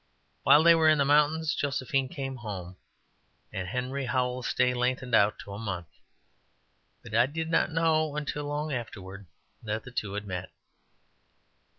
While they were in the mountains, Josephine came home, and Henry Howell's stay lengthened out to a month. But I did not know until long afterward that the two had met.